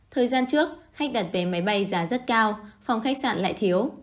thời gian trước khách đặt vé máy bay giá rất cao phòng khách sạn lại thiếu